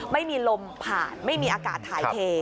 ไม่มีลมผ่านไม่มีอากาศถ่ายเท